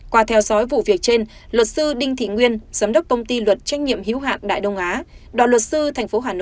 qua theo dõi vụ việc trên luật sư đinh thị nguyên giám đốc công ty luật trách nhiệm hiếu hạn đại đông á